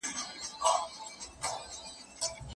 ځیرک خلک د مطالعې له لارې خپلو موخو ته رسي.